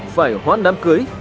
phải hoán đám cưới